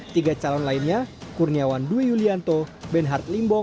tiga calon lainnya kurniawan dwi yulianto ben harimau